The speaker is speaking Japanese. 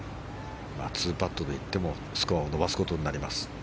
２パットで行ってもスコアを伸ばすことになります。